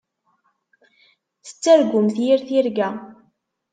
Tettargumt yir tirga.